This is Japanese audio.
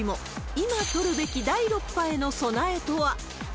今取るべき第６波への備えとは。